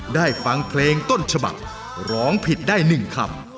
ฟังเพลงต้นฉบับร้องผิดได้๑คำ